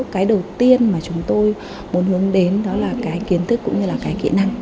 cái đầu tiên mà chúng tôi muốn hướng đến đó là cái kiến thức cũng như là cái kỹ năng